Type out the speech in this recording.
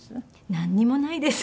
なんにもないです。